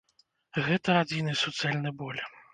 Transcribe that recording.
Гэта адзіны суцэльны боль.